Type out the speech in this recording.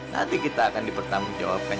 nanti kita akan dipertanggung jawabkan